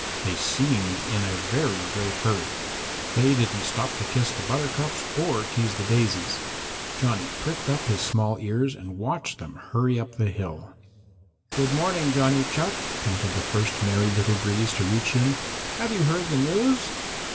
They seemed in a very great hurry. They didn't stop to kiss the buttercups or tease the daisies. Johnny pricked up his small ears and watched them hurry up the hill. "Good morning, Johnny Chuck," panted the first Merry Little Breeze to reach him, "have you heard the news?"